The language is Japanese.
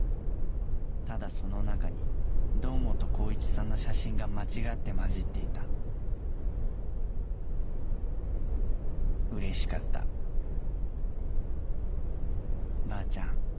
ただその中に堂本光一さんの写真が間違って交じっていたうれしかったばあちゃん